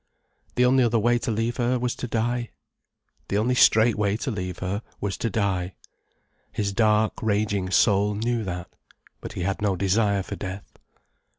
The only other way to leave her was to die. The only straight way to leave her was to die. His dark, raging soul knew that. But he had no desire for death.